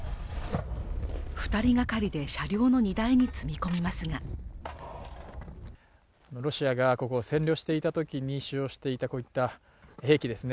２人がかりで車両の荷台に積み込みますがロシアがここを占領していたときに使用していたこういった兵器ですね